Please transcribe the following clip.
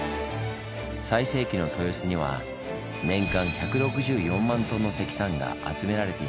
最盛期の豊洲には年間１６４万トンの石炭が集められていました。